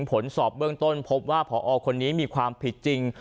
ผลสอบเบื้องต้นพบว่าพอคนนี้มีความผิดจริง